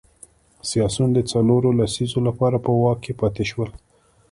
سیاسیون د څلورو لسیزو لپاره په واک کې پاتې شول.